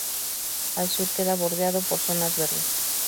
Al sur queda bordeado por zonas verdes.